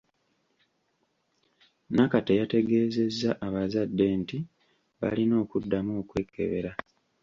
Nakate yategeezezza abazadde nti balina okuddamu okwekebera.